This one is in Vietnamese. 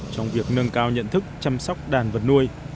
trong việc nâng cao nhận thức chăm sóc đàn vật nuôi